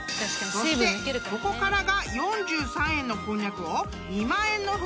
［そしてここからが４３円のこんにゃくを］